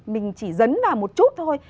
mình chỉ dấn vào một chút thôi